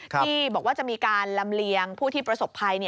ที่บอกว่าจะมีการลำเลียงผู้ที่ประสบภัย